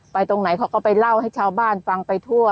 ตรงไหนเขาก็ไปเล่าให้ชาวบ้านฟังไปทั่ว